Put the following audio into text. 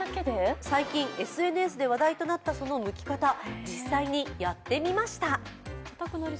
最近ＳＮＳで話題となったそのむき方、実際にやってみました